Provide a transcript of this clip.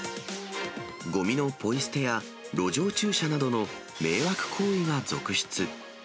ごみのポイ捨てや、路上駐車などの迷惑行為が続出。